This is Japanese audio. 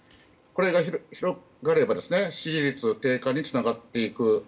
これが広がれば支持率低下につながっていく。